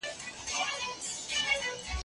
هغه سوداګر چي پانګونه کوي، هېواد جوړوي.